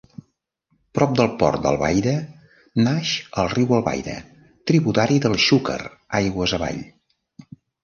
Prop del port d'Albaida naix el riu Albaida, tributari del Xúquer aigües avall.